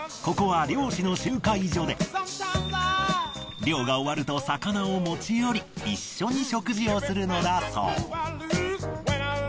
ここは漁師の集会所で漁が終わると魚を持ち寄り一緒に食事をするのだそう。